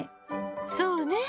そうね。